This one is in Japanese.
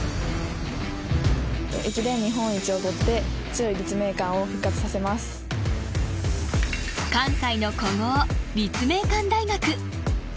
駅伝日本一を取って関西の古豪立命館大学。